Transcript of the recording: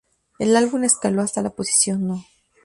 El álbum escaló hasta la posición No.